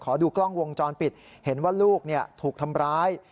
ดูกล้องวงจรปิดเห็นว่าลูกถูกทำร้าย